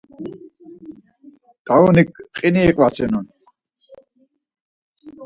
T̆aruni qini iqvasinon.